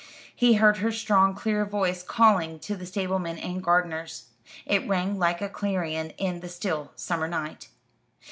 He heard her strong clear voice calling to the stablemen and gardeners. It rang like a clarion in the still summer night.